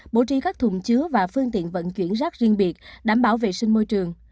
bổ trí các thùng chứa và phương tiện vận chuyển rác riêng biệt đảm bảo vệ sinh môi trường